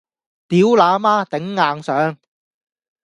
掉哪媽！頂硬上！